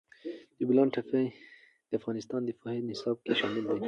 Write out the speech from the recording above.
د بولان پټي د افغانستان د پوهنې نصاب کې شامل دي.